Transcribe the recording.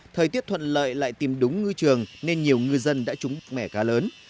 thời tiết thuận lợi lại tìm đúng ngư trường nên nhiều ngư dân đã trúng mẻ cá lớn